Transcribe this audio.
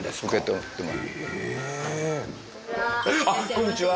こんにちは。